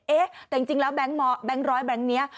เอ๊ะแต่จริงแล้วแบงค์ร้อยแบงค์นี้